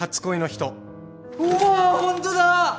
うわホントだ！